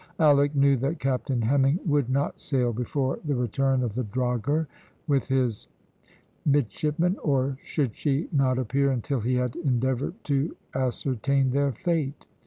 Alick knew that Captain Hemming would not sail before the return of the drogher with his midshipmen, or should she not appear until he had endeavoured to ascertain their fate.